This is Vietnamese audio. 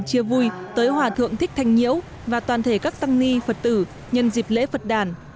chia vui tới hòa thượng thích thanh nhiễu và toàn thể các tăng ni phật tử nhân dịp lễ phật đàn